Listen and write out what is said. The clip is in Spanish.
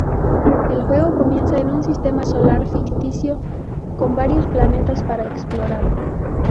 El juego comienza en un sistema solar ficticio con varios planetas para explorar.